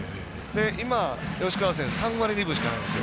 今、吉川選手３割２分しかないんですよ。